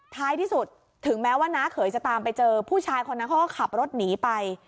ท้ายที่สุดถึงแม้ว่าน้าเขยจะตามไปเจอผู้ชายคนนั้นเขาก็ขับรถหนีไป